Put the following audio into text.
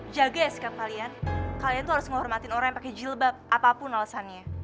jaga ya sikap kalian kalian tuh harus nghormatin orang yang pake jilbab apapun alasannya